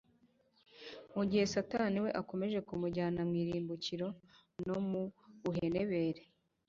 mu gihe Satani we, akomeje kumujyana mu irimbukiro no mu buhenebere.